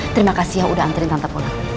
terima kasih ya udah anterin tante pola